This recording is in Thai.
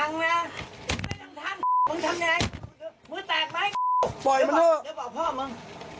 อย่างงี้มันพังนะมึงทำยังไงมึงแตกไหมปล่อยมันเถอะเดี๋ยวบอกพ่อมึง